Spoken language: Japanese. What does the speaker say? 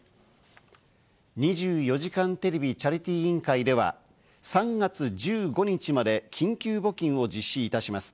２４時間テレビチャリティー委員会では３月１５日まで緊急募金を実施いたします。